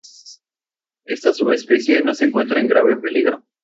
Esta subespecie no se encuentra en grave peligro.